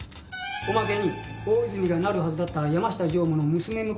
おまけに大泉がなるはずだった山下常務の娘婿候補